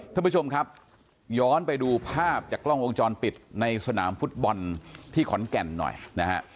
ท่านผู้ชมครับย้อนไปดูภาพจากกล้องวงจรปิดในสนามฟุตบอลที่ขอนแก่นหน่อยนะฮะ